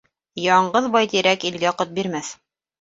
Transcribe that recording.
Яңғыҙ байтирәк илгә ҡот бирмәҫ.